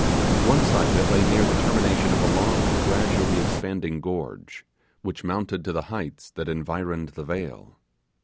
One side of it lay near the termination of a long gradually expanding gorge, which mounted to the heights that environed the vale.